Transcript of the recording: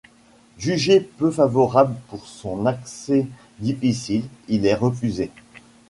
Jugé peu favorable pour son accès difficile, il est refusé.